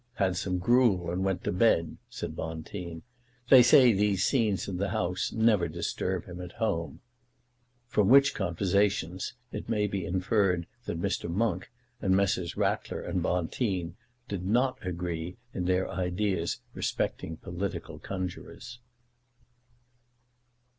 "Had some gruel and went to bed," said Bonteen. "They say these scenes in the House never disturb him at home." From which conversations it may be inferred that Mr. Monk and Messrs. Ratler and Bonteen did not agree in their ideas respecting political conjurors.